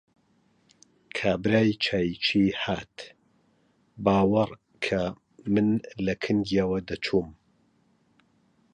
کابرای چاییچی هات، باوەڕ کە من لە کنگیەوە دەچووم!